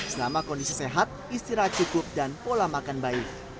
selama kondisi sehat istirahat cukup dan pola makan baik